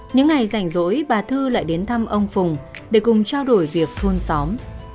những ngày rảnh rỗi bà thư lại đến thăm ông phùng để cùng trao đổi việc thôn xóm